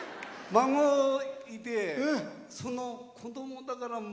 孫がいて、その子供だから。